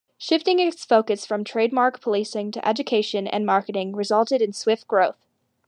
Shifting its focus from trademark policing to education and marketing resulted in swift growth.